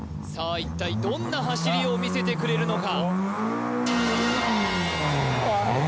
一体どんな走りを見せてくれるのか？